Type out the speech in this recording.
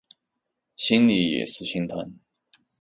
心里也是心疼